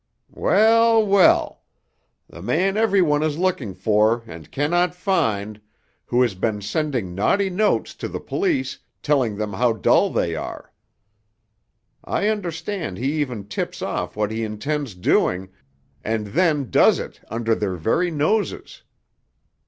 "Well, well! The man every one is looking for and cannot find, who has been sending naughty notes to the police, telling them how dull they are. I understand he even tips off what he intends doing, and then does it under their very noses.